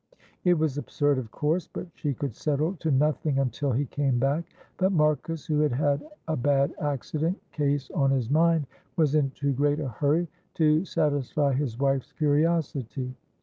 It was absurd, of course, but she could settle to nothing until he came back; but Marcus, who had a bad accident case on his mind, was in too great a hurry to satisfy his wife's curiosity.